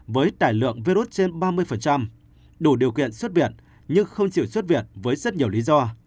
với tải lượng virus trên ba mươi đủ điều kiện xuất viện nhưng không chịu xuất viện với rất nhiều lý do